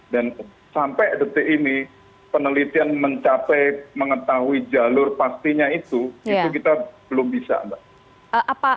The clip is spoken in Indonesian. dan sampai detik ini penelitian mencapai mengetahui jalur pastinya itu itu kita belum bisa